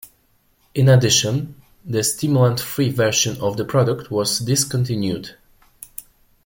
In addition, the stimulant free version of the product was discontinued.